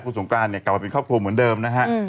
คุณสงการเนี่ยกลับมาเป็นครอบครัวเหมือนเดิมนะฮะ